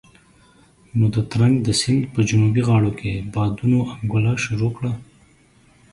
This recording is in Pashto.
نو د ترنک د سيند په جنوبي غاړو کې بادونو انګولا شروع کړه.